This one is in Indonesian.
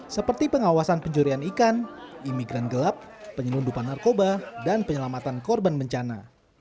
seperti pengawasan pencurian ikan imigran gelap penyelundupan narkoba dan penyelamatan korban bencana